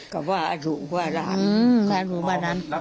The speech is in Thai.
ก็ว่าหาดูหาหลาน